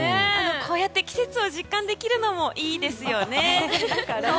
こうやって季節を実感できるのもいいですよね。